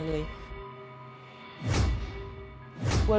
พ่อลูกรู้สึกปวดหัวมาก